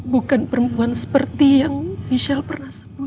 bukan perempuan seperti yang michelle pernah sebut